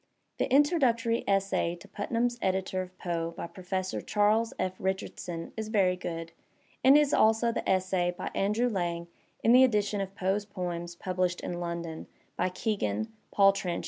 The introductory essay to Putnam*s edition of Poe by Professor Charles F. Richardson is very good, as is also the essay by Andrew Lang in the edition of Poe's Poems published in London by Kegan, Paul Trench & Co.